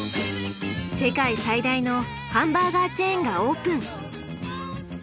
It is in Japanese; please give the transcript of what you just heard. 世界最大のハンバーガーチェーンがオープン。